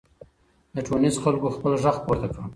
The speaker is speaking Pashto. د ټونس خلګو خپل ږغ پورته کړ.